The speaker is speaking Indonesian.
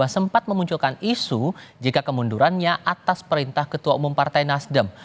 sempat memunculkan isu jika kemundurannya atas perintah ketua umum partai nasdem